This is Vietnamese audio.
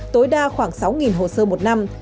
tối đa khoảng sáu hồ sơ một năm